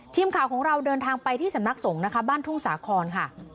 ทีมข่าวของเราเดินทางไปที่สำนักสงฆ์นะคะบ้านทุ่งสาครค่ะ